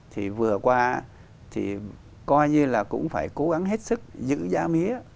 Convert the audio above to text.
thì vừa qua thì coi như là cũng phải cố gắng hết sức giữ giá mía